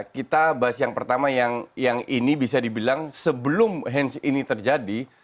kita bahas yang pertama yang ini bisa dibilang sebelum hands ini terjadi